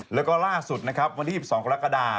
แล้วก็ล่าสุดนะครับวันที่๒๒กรกฎา